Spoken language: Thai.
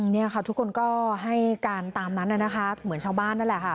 นี่ค่ะทุกคนก็ให้การตามนั้นนะคะเหมือนชาวบ้านนั่นแหละค่ะ